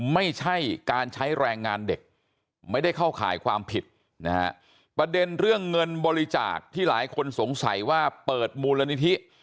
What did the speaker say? ไม่ใช่การใช้แรงงานเด็กไม่ได้เข้าข่ายความผิดนะฮะประเด็นเรื่องเงินบริจาคที่หลายคนสงสัยว่าเปิดมูลนิธิ